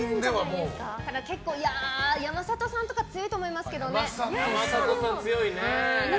山里さんとか強いと思いますけどね。